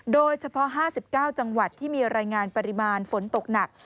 โดยเฉพาะ๕๙จังหวัดที่มีรายงานปริมาณฝนตกหนัก